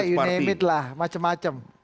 ya partai negara you name it lah macem macem